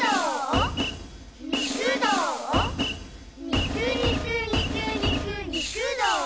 肉肉肉肉肉、どーお？